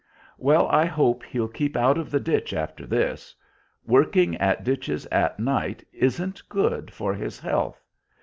"Well, I hope he'll keep out of the ditch after this. Working at ditches at night isn't good for his health.